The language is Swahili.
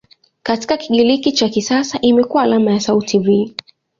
Katika Kigiriki cha kisasa imekuwa alama ya sauti "V".